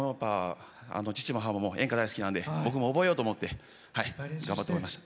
父も母も演歌大好きなので僕も覚えようと思って頑張って覚えました。